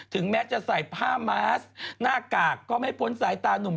แม้จะใส่ผ้ามาสหน้ากากก็ไม่พ้นสายตานุ่ม